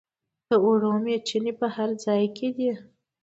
د اوړو میچنې په هر ځای کې دي.